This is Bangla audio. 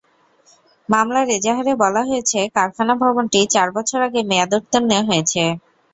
মামলার এজাহারে বলা হয়েছে, কারখানা ভবনটি চার বছর আগে মেয়াদোত্তীর্ণ হয়েছে।